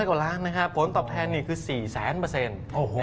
๗๐๐กว่าล้านนะฮะผลตอบแทนนี่คือ๔๐๐เปอร์เซ็นต์